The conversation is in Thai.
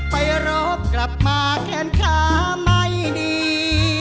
ไปโรบกลับมาแค่นข้าไม่ดี